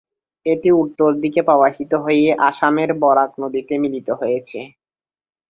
এটি উত্তর দিকে প্রবাহিত হয়ে আসামের বরাক নদীতে মিলিত হয়েছে।